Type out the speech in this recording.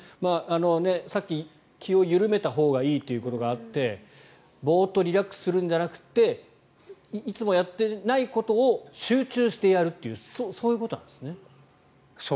さっき、気を緩めたほうがいいということがあってボーッとリラックスするんじゃなくていつもやっていないことを集中してやるというそういうことですね。